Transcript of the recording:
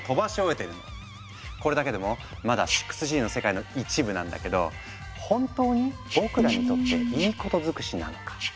これだけでもまだ６Ｇの世界の一部なんだけど本当に僕らにとっていいことづくしなのか。